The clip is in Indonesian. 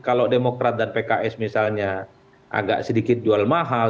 kalau demokrat dan pks misalnya agak sedikit jual mahal